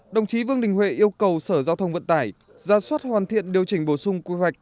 đồng chí vương đình huệ yêu cầu sở giao thông vận tải ra suất hoàn thiện điều chỉnh bổ sung quy hoạch